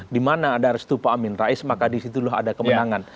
di mana ada restu pak amin rais maka disitulah ada kemenangan